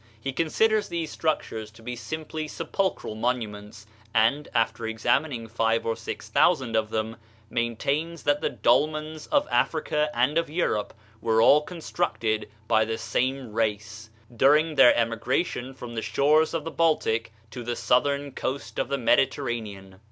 He considers these structures to be simply sepulchral monuments, and, after examining five or six thousand of them, maintains that the dolmens of Africa and of Europe were all constructed by the same race, during their emigration from the shores of the Baltic to the southern coast of the Mediterranean.